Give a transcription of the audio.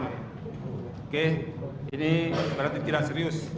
oke ini berarti tidak serius